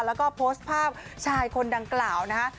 แล้วก็โพสต์ภาพชายคนดังกล่าวนะฮะ